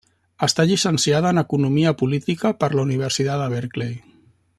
Està llicenciada en economia política per la Universitat de Berkeley.